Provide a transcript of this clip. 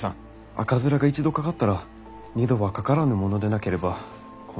赤面が一度かかったら二度はかからぬものでなければこの方法は。